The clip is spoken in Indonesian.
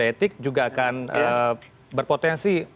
etik juga akan berpotensi